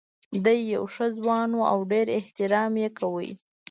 دی یو ښه ځوان و او ډېر احترام یې کاوه.